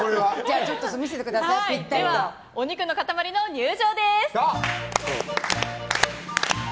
では、お肉の塊の入場です。